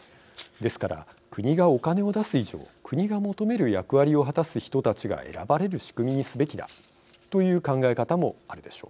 ですから、国がお金を出す以上国が求める役割を果たす人たちが選ばれる仕組みにすべきだという考え方もあるでしょう。